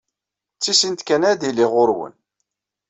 Tisint kan ad d-iliɣ ɣur-wen.